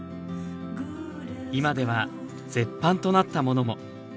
今では絶版となったものも。